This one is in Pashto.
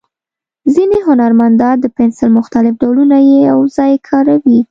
ځینې هنرمندان د پنسل مختلف ډولونه یو ځای کاروي.